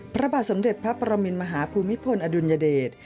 พระบาทสมเด็จพระปรมินมหาภูมิพลอดุลยเดช